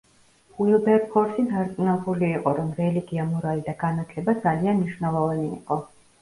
უილბერფორსი დარწმუნებული იყო, რომ რელიგია, მორალი და განათლება ძალიან მნიშვნელოვანი იყო.